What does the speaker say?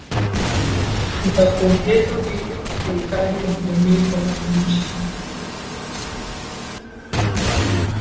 za kuongeza wigo ya hifadhi ya jamii kwa wananchi